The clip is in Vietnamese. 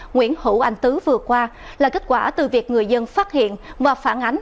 nguyễn hữu anh tứ vừa qua là kết quả từ việc người dân phát hiện và phản ánh